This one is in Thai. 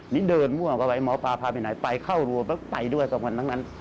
นี่เดินมอร์ปาพาภินัยไปเข้าดูด้วยกลางนั้น